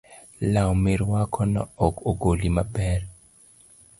Law mirwako no ok ogoli maber